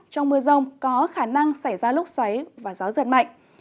trong mưa rông có khả năng xảy ra lúc xoáy và gió giật mạnh